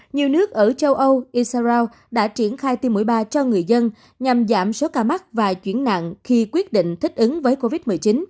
nhiều nước ở châu âu isarao đã triển khai tiêm mũi ba cho người dân nhằm giảm số ca mắc và chuyển nặng khi quyết định thích ứng với covid một mươi chín